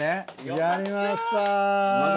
やりました。